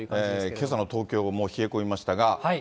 けさの東京も冷え込みましたが。